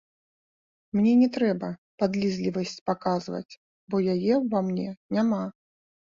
Мне не трэба падлізлівасць паказваць, бо яе ўва мне няма.